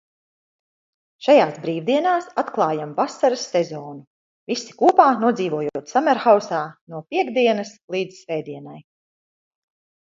Šajās brīvdienās atklājam vasaras sezonu, visi kopā nodzīvojot sammerhausā no piektdienas līdz svētdienai.